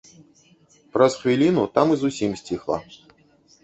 Праз хвіліну там і зусім сціхла.